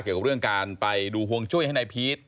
เกี่ยวกับเรื่องการไปดูฮวงจุ้ยให้นายพีช